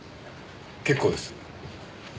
結構です。